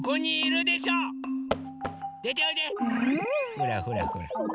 ほらほらほら。